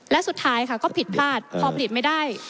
และสุดท้ายค่ะก็ผิดพลาดพอผลิตไม่ได้